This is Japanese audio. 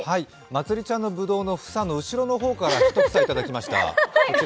まつりちゃんのぶどうの房の後ろの方から１房いただきました。